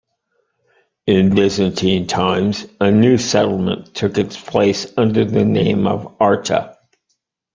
In Byzantine times a new settlement took its place under the name of Arta.